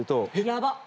やばっ。